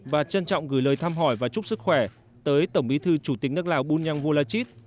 và trân trọng gửi lời thăm hỏi và chúc sức khỏe tới tổng bí thư chủ tịch nước lào bùn nhân vua la chít